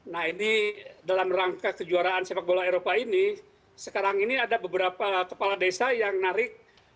nah ini dalam rangka kejuaraan sepak bola eropa ini sekarang ini ada beberapa kepala desa yang narik